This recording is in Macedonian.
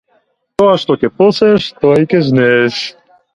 Тоа што ќе посееш тоа и ќе жнееш.